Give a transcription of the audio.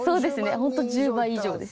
ホント１０倍以上です。